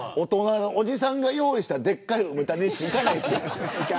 おじさんが用意したでっかい埋立地行かないですよ。